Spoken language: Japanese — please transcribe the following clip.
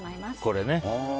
これね。